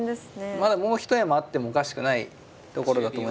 まだもう一山あってもおかしくないところだと思います。